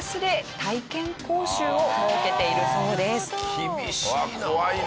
厳しいな。